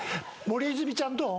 森泉ちゃんどう？